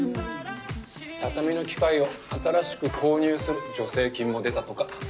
畳の機械を新しく購入する助成金も出たとか。